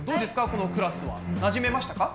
このクラスは。なじめましたか？